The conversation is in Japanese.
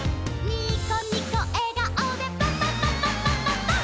「ニコニコえがおでパンパンパンパンパンパンパン！！」